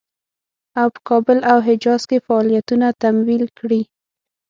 او په کابل او حجاز کې فعالیتونه تمویل کړي.